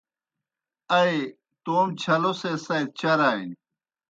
ائی تومہ چھلو سے ساتیْ چرانیْ۔